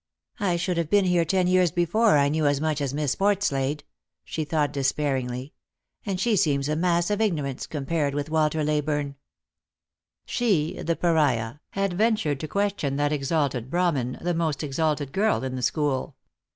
" I should have to be here ten years before I knew as much as Miss Portslade," she thought despairingly ;" and she seems a mass of ignorance, compared with Walter Leyburne." She, the Pariah, had ventured to question that exalted Brahmin, the most exalted girl in the school.